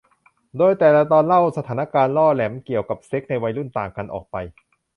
โดยแต่ละตอนเล่าสถานการณ์ล่อแหลมเกี่ยวกับเซ็กส์ในวัยรุ่นต่างกันออกไป